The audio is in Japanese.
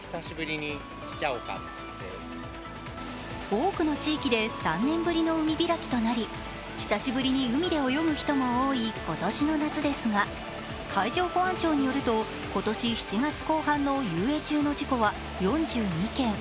多くの地域で３年ぶりの海開きとなり久しぶりに海で泳ぐ人も多い今年の夏ですが海上保安庁によると、今年７月後半の遊泳中の事故は４２件。